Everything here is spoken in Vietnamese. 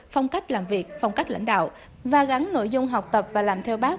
phong cách làm việc phong cách lãnh đạo và gắn nội dung học tập và làm theo bác